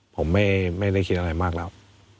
ผมไม่ได้คิดอะไรมากแล้ว